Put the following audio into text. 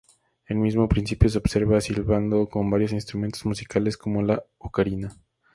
El mismo principio se observa silbando o con varios instrumentos musicales como la ocarina.